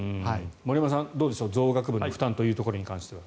森山さん、どうでしょう増額分の負担というところ。